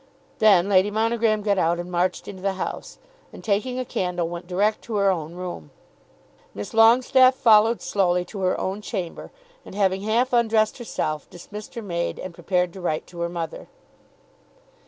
Then Lady Monogram got out and marched into the house, and taking a candle went direct to her own room. Miss Longestaffe followed slowly to her own chamber, and having half undressed herself, dismissed her maid and prepared to write to her mother.